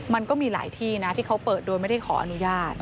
มันก็มีหลายที่นะที่เขาเปิดโดยไม่ได้ขออนุญาต